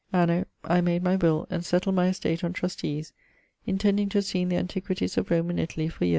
Anno I made my will[Z] and settled my estate on trustees, intending to have seen the antiquities of Rome and Italy for